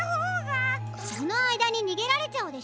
そのあいだににげられちゃうでしょ！